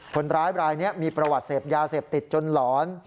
คนร้ายบรายนี้มีประวัติเสพยาเสพติดจนหลอน